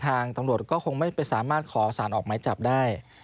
ทางตำรวจก็คงไม่ไปสามารถขอสารออกไม้จับได้